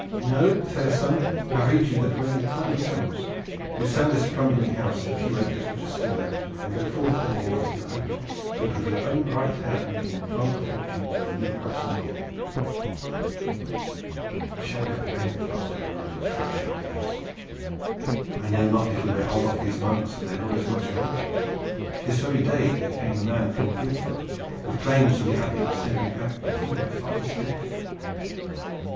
No, fair son, I rede you that when the time comes you sell this crumbling house and the few acres which are still left, and so go forth to the wars in the hope that with your own right hand you will plant the fortunes of a new house of Loring." A shadow of anger passed over Nigel's fresh young face. "I know not if we may hold off these monks and their lawyers much longer. This very day there came a man from Guildford with claims from the Abbey extending back before my father's death."